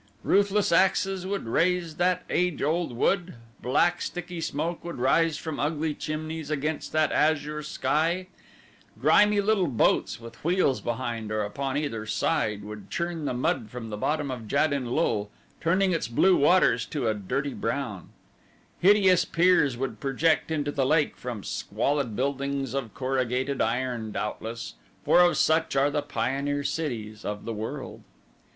Ruthless axes would raze that age old wood; black, sticky smoke would rise from ugly chimneys against that azure sky; grimy little boats with wheels behind or upon either side would churn the mud from the bottom of Jad in lul, turning its blue waters to a dirty brown; hideous piers would project into the lake from squalid buildings of corrugated iron, doubtless, for of such are the pioneer cities of the world.